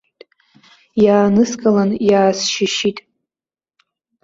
Иааныскылан иаасшьышьит.